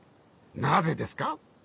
なぜですか？